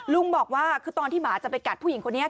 ลุงบอกว่าคือตอนที่หมาจะไปกัดผู้หญิงคนนี้